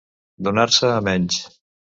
Donar-se a menys.